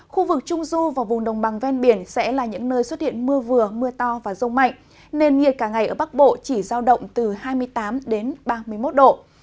khu vực trung du và vùng đồng bằng ven biển sẽ là những nơi xuất hiện mưa vừa mưa to và rông mạnh nền nhiệt cả ngày ở bắc bộ chỉ giao động từ hai mươi tám ba mươi một độ